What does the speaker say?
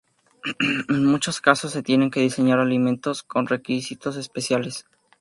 En muchos casos se tienen que diseñar alimentos con requisitos especiales.